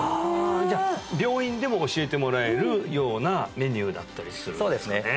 じゃあ病院でも教えてもらえるようなメニューだったりするんですかね